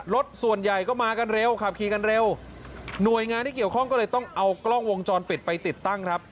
รถส่วนใหญ่ก็มากันเร็วขับขี่กันเร็วหน่วยงานที่เกี่ยวข้องก็เลยต้องเอากล้องวงจรปิดไปติดตั้งครับ